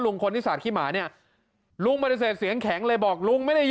ลุงคนที่ศาสตร์ขี้หมาเนี่ยลุงบริเศษเสียงแข็งเลยบอกลุงไม่ได้โยนหรือว่า